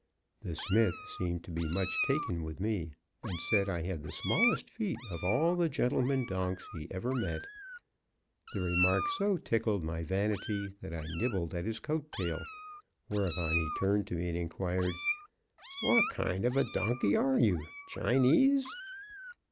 The smith seemed to be much taken with me, and said I had the smallest feet of all the gentlemen donks he ever met. The remark so tickled my vanity that I nibbled at his coat tail, whereupon he turned to me and inquired, "What kind of a donkey are you? Chinese?"